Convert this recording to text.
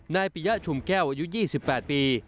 ปิยะชุมแก้วอายุ๒๘ปี